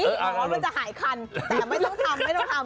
อ๋อมันจะหายคันแต่ไม่ต้องทำ